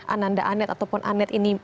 ananda anet ataupun anet ini